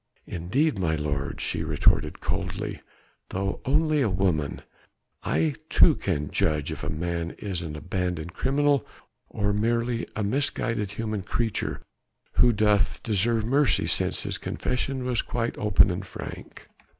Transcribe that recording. "Indeed, my lord," she retorted coldly, "though only a woman, I too can judge if a man is an abandoned criminal or merely a misguided human creature who doth deserve mercy since his confession was quite open and frank."